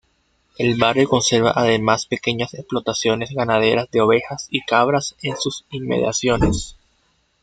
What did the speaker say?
El barrio conserva además pequeñas explotaciones ganaderas de ovejas y cabras en sus inmediaciones.